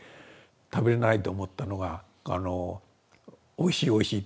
食べれないと思ったのが「おいしいおいしい」って２杯。